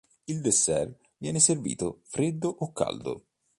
Il dessert viene servito freddo o caldo.